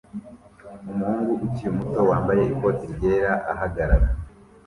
Umuhungu ukiri muto wambaye ikoti ryera ahagarara